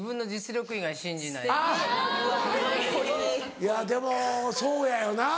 いやでもそうやよな。